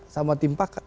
sama tim pakat